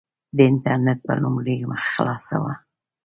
د انټرنېټ په لومړۍ مخ خلاصه وه.